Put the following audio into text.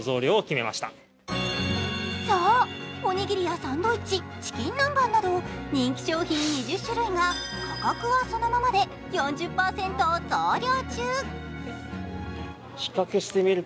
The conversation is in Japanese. そう、おにぎりやサンドイッチ、チキン南蛮など人気商品２０種類が価格はそのままで４０％増量中。